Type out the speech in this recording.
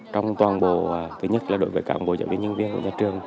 trong toàn bộ thứ nhất là đối với các bộ trợ viên nhân viên của nhà trường